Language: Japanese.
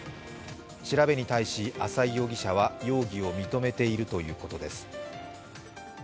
調べに対し、浅井容疑者は容疑を認めているということです。